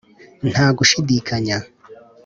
nta gushidikanya.